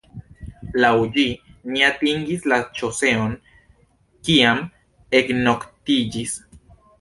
Laŭ ĝi ni atingis la ŝoseon, kiam eknoktiĝis.